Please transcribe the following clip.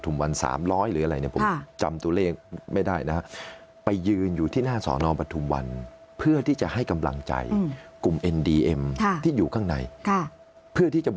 ไม่ใช่ไม่ใช่อาการแบบนี้นะ